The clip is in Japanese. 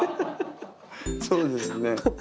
そうですね。